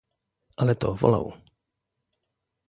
"Ale to wolał."